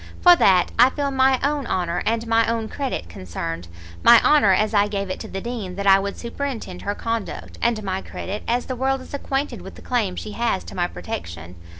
For that, I feel my own honour and my own credit concerned; my honour, as I gave it to the Dean that I would superintend her conduct, and my credit, as the world is acquainted with the claim she has to my protection."